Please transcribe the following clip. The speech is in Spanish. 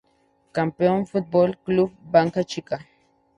Campeón: Fútbol Club Blanca Chica.